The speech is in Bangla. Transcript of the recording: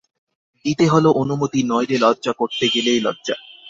দিতে হল অনুমতি, নইলে লজ্জা করতে গেলেই লজ্জা।